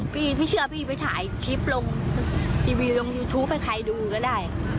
พี่พี่เชื่อพี่ไปถ่ายคลิปลงทีวีลงยูทูปให้ใครดูก็ได้